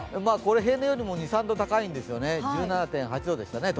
平年よりも２３度高いんですよね、東京は１７．８度ですかね。